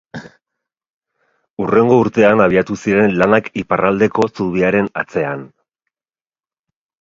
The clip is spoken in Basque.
Hurrengo urtean abiatu ziren lanak iparraldeko zubiaren atzean.